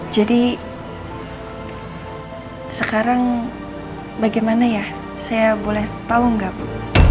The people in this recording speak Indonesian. jadi sekarang bagaimana ya saya boleh tahu nggak bu